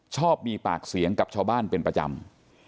ชอบมีปากเสียงกับชาวบ้านเป็นประจำ